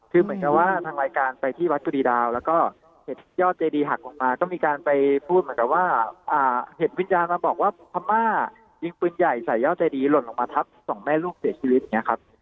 คือเหมือนกับว่าทางรายการไปที่วัดกุฎีดาวแล้วก็เห็นยอดเจดีหักลงมาก็มีการไปพูดเหมือนกับว่าเห็นวิญญาณมาบอกว่าพม่ายิงปืนใหญ่ใส่ยอดเจดีหล่นลงมาทับสองแม่ลูกเสียชีวิตอย่างนี้ครับ